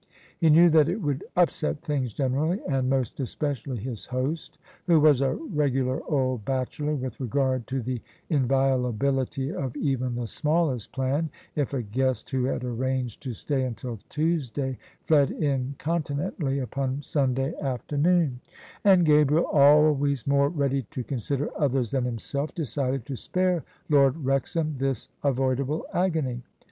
He knew that it would upset things generally — ^and most especially his host, who was a regular old bachelor with regard to the inviolability of even the smallest plan — if a guest who had arranged to stay*until Tuesday, fled inconti nently upoii Sunday afternoon: and Gabriel — ^always more [ 132 ] OF ISABEL CARNABY ready to consider others than himself — decided to spare Lord Wrexham this avoidable agony.